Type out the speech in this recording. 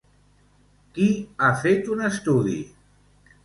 Qui ha fet un estudi?